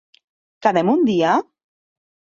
Quedem un dia?